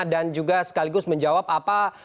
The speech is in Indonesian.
dan juga sekaligus menjawab apa